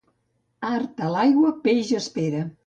Art a l'aigua, peix espera.